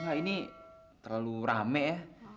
wah ini terlalu rame ya